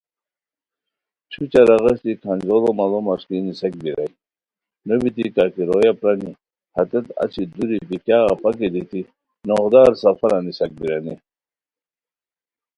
چھوچہ راغیشٹی کھانجوڑو ماڑو مݰکی نیساک بیرا ئے نو بیتی کا کی رویا پرانی ہتیت اچی دُوری بی کیاغ اپاکی دیتی نوغدار سفرا نیساک بیرانی